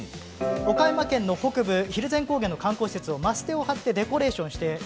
岡山県の北部、蒜山高原の観光施設をマステでデコレーション。